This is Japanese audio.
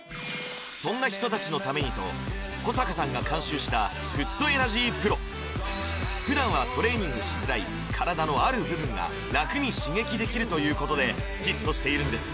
そんな人達のためにと保阪さんが監修した普段はトレーニングしづらい体のある部分が楽に刺激できるということでヒットしているんです